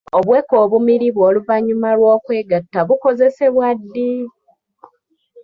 Obuweke obumiribwa oluvannyuma lw'okwegatta bukozesebwa ddi?